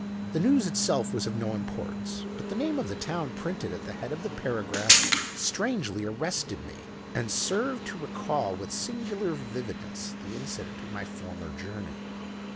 The news itself was of no importance, but the name of the town printed at the head of the paragraph strangely arrested me, and served to recall with singular vividness the incident of my former journey.